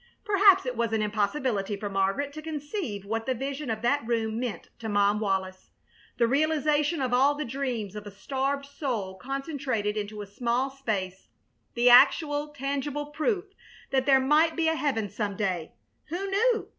Perhaps it was an impossibility for Margaret to conceive what the vision of that room meant to Mom Wallis. The realization of all the dreams of a starved soul concentrated into a small space; the actual, tangible proof that there might be a heaven some day who knew?